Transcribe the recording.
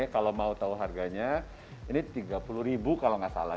kalau mau tahu harganya ini rp tiga puluh kalau nggak salah